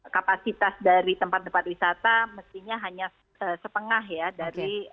kapasitas dari tempat tempat wisata mestinya hanya setengah ya dari